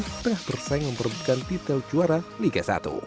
setengah persaing memperbutkan titel juara liga satu